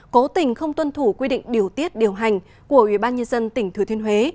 cố tình không tuân thủ quy định điều tiết điều hành của ubnd tỉnh thừa thiên huế